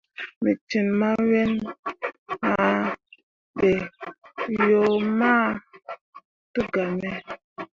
Me cin mawen ah ɓe yo mah tǝgaa me.